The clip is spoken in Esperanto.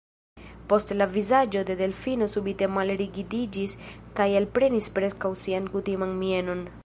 Poste la vizaĝo de Delfino subite malrigidiĝis kaj alprenis preskaŭ sian kutiman mienon.